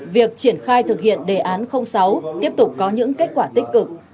việc triển khai thực hiện đề án sáu tiếp tục có những kết quả tích cực